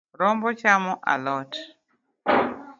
Rombo chamo a lot